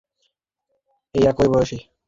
সেই একই বয়সী।